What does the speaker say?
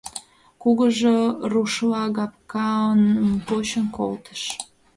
Кугыжо рушлагапкам почын колтыш.